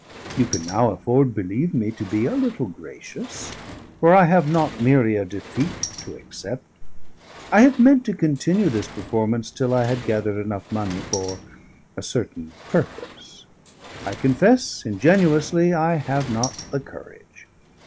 You can now afford (believe me) to be a little gracious; for I have not merely a defeat to accept. I had meant to continue this performance till I had gathered enough money for a certain purpose; I confess ingenuously I have not the courage.